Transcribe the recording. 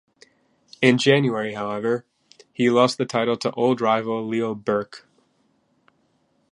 In January, however, he lost the title to old rival Leo Burke.